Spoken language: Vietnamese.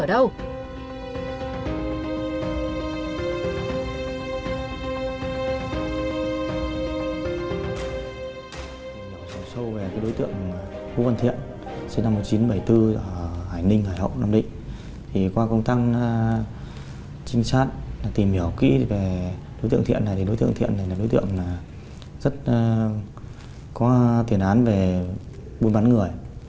đối tượng thiện này là đối tượng rất có tiền án về bùi bắn người